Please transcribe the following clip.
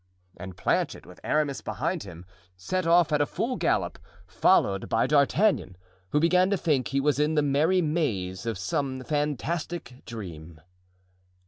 And Planchet, with Aramis behind him, set off at full gallop, followed by D'Artagnan, who began to think he was in the merry maze of some fantastic dream.